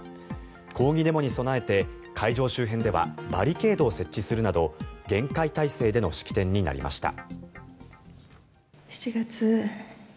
抗議デモに備えて、会場周辺ではバリケードを設置するなど厳戒態勢での式典になりました。